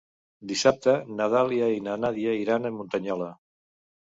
Dissabte na Dàlia i na Nàdia iran a Muntanyola.